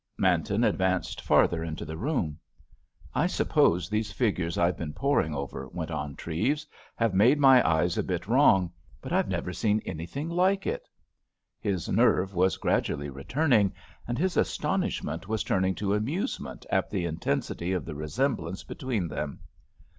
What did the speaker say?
Manton advanced farther into the room. "I suppose these figures I've been poring over," went on Treves, "have made my eyes a bit wrong, but I've never seen anything like it." His nerve was gradually returning, and his astonishment was turning to amusement at the intensity of the resemblance between them.